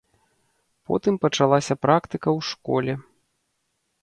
Потым пачалася практыка ў школе.